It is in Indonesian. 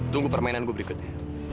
tunggu permainan gue berikutnya